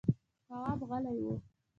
تواب غلی و…